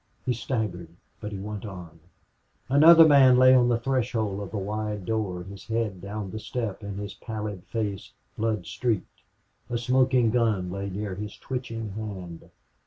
He staggered, but he went on. Another man lay on the threshold of the wide door, his head down the step, and his pallid face blood streaked. A smoking gun lay near his twitching hand.